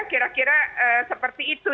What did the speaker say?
kira kira seperti itu